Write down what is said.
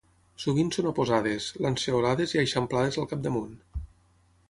Sovint són oposades, lanceolades i eixamplades al capdamunt.